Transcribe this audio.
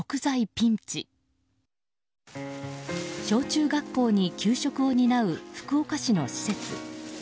小中学校に給食を担う福岡市の施設。